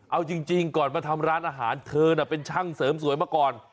เอาจริงก่อนมาทำร้านอาหารเธอน่ะเป็นช่างเสริมสวยมาก่อน